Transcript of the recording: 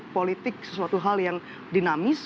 politik sesuatu hal yang dinamis